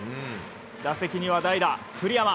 打席には代打、栗山。